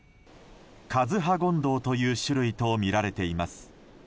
カズハゴンドウという種類とみられています。